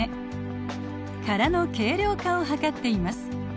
殻の軽量化を図っています。